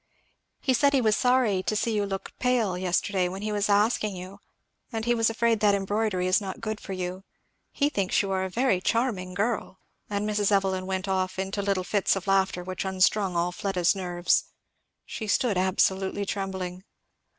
"He said he was sorry to see you looked pale yesterday when he was asking you; and he was afraid that embroidery is not good for you. He thinks you are a very charming girl! " And Mrs. Evelyn went off into little fits of laughter which unstrung all Fleda's nerves. She stood absolutely trembling.